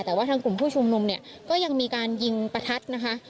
แต่ว่าทางกลุ่มผู้ชุมนุมเนี่ยก็ยังมีการยิงประทัดนะคะ